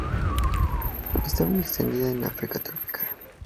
Está muy extendida en África tropical.